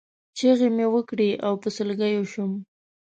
چغې مې وکړې او په سلګیو شوم.